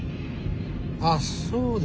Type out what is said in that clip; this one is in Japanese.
あっそうだ。